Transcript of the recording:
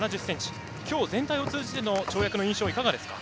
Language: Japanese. きょう全体を通じての跳躍の印象いかがですか。